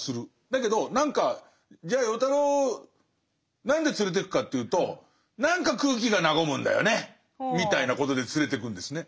だけど何かじゃあ与太郎何で連れてくかというと何か空気が和むんだよねみたいなことで連れてくんですね。